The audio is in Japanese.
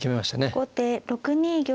後手６二玉。